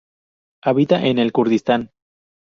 Habita en el Kurdistán.